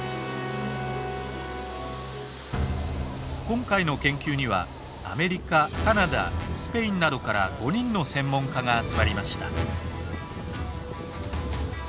今回の研究にはアメリカカナダスペインなどから５人の専門家が集まりました。